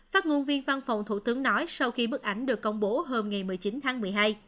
phát ngôn viên văn phòng thủ tướng nói sau khi bức ảnh được công bố hôm ngày một mươi chín tháng một mươi hai